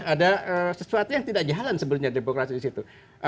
ada sesuatu yang tidak jalan sebenarnya demokrasi di situ